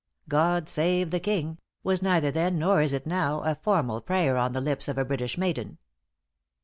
"God save the king," was neither then, nor is it now, a formal prayer on the lips of a British maiden.